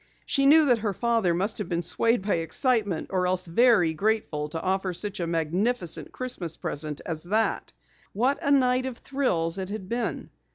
She knew that her father must have been swayed by excitement or else very grateful to offer such a magnificent Christmas present as that. What a night of thrills it had been!